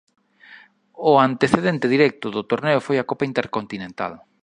O antecedente directo do torneo foi a Copa Intercontinental.